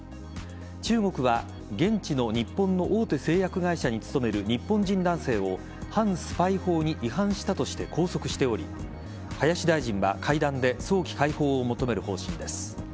中国は現地の日本の大手製薬会社に勤める、日本人男性を反スパイ法に違反したとして拘束しており林大臣は会談で早期解放を求める方針です。